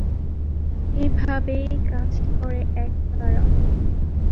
এভাবেই কাজ করে একতারা।